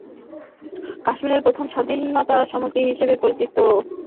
কাশ্মীরের প্রথম স্বাধীনতাসংগ্রামী হিসেবে পরিচিত মকবুল বাটের ফাঁসি হয়েছিল দিল্লির তিহার জেলে।